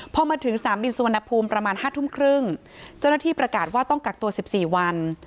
พอมาถึงสนามบินสุวรรณภูมิประมาณ๕ทุ่มครึ่งเจ้าหน้าที่ประกาศว่าต้องกักตัว๑๔วัน